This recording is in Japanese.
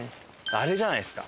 あれじゃないですか？